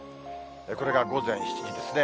これが午前７時ですね。